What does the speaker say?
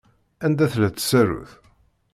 Anda tella tsarut?